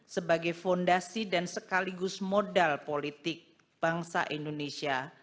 sebagai fondasi dan sekaligus modal politik bangsa indonesia